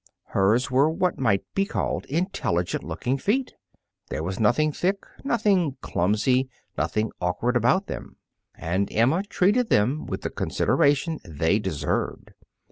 Hers were what might be called intelligent looking feet. There was nothing thick, nothing clumsy, nothing awkward about them. And Emma treated them with the consideration they deserved.